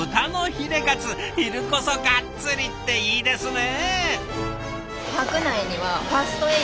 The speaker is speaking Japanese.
昼こそガッツリっていいですね！